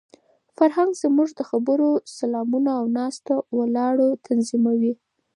فرهنګ زموږ د خبرو، سلامونو او ناسته ولاړه تنظیموي.